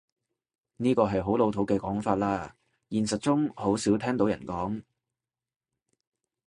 呢個係好老土嘅講法喇，現實中好少聽到人講